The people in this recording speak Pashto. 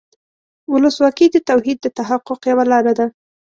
ولسواکي د توحید د تحقق یوه لاره ده.